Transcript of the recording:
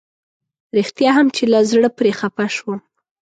رښتيا هم چې له زړه پرې خفه شوم.